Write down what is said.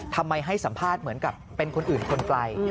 ให้สัมภาษณ์เหมือนกับเป็นคนอื่นคนไกล